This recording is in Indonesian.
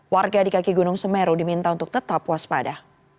warga di kaki gunung semeru diminta untuk tetap waspada